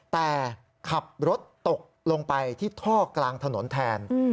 แต่ขับรถตกลงไปที่ท่อกลางถนนแทน